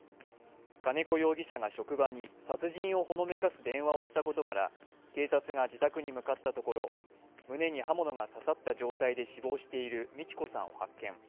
金子容疑者が職場に殺人をほのめかす電話をしたことから警察が自宅に向かったところ、胸に刃物が刺さった状態で死亡している美智子さんを発見。